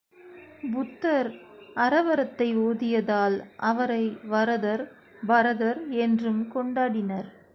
புத்தர் அறவரத்தை ஓதியதால் அவரை வரதர், பரதர் என்றும் கொண்டாடினர்.